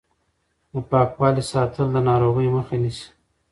د پاکوالي ساتل د ناروغۍ مخه نیسي.